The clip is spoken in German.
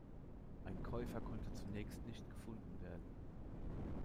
Ein Käufer konnte zunächst nicht gefunden werden.